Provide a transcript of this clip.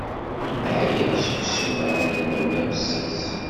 Ɛyiɣ seg ussemɛen-nwen amessas.